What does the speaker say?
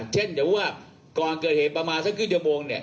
เช่นอย่างว่ากรเกิดเหตุประมาณสักครู่เจ้าโมงเนี่ย